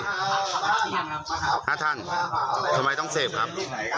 ๕ท่านทำไมต้องเสพครับ